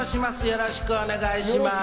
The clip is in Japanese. よろしくお願いします！